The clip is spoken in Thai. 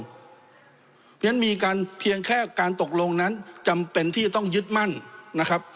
เพราะฉะนั้นมีการเพียงแค่การตกลงนั้นจำเป็นที่จะต้องยึดมั่นนะครับ